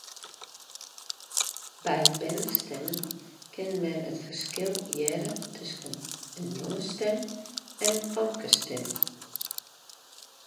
By bernestimmen kin men min it ferskil hearre tusken in jongesstim en in famkesstim.